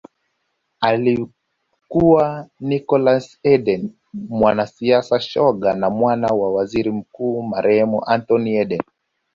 Alikuwa Nicholas Eden mwanasiasa shoga na mwana wa Waziri Mkuu marehemu Anthony Eden